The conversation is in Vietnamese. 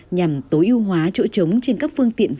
nhằm tối ưu hóa chỗ trống trên các phương tiện